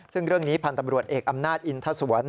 ซึ่งเรื่องนี้พันธ์ตำรวจเอกอำนาจอินทสวน